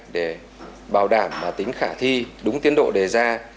để bảo đảm tính khả thi đúng tiến độ đề ra